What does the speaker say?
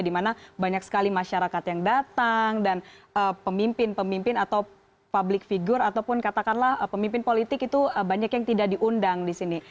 dimana banyak sekali masyarakat yang datang dan pemimpin pemimpin atau public figure ataupun katakanlah pemimpin politik itu banyak yang tidak diundang di sini